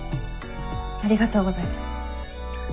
ありがとうございます。